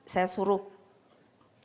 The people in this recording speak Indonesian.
saya suruh terpilih lagi